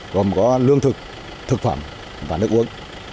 gồm có lương thực thực phẩm và nước uống